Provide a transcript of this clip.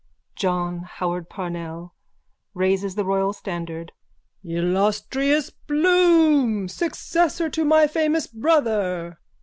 _ JOHN HOWARD PARNELL: (Raises the royal standard.) Illustrious Bloom! Successor to my famous brother!